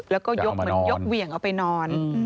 แล้วก็ยกเหวี่ยงเอาไปนอน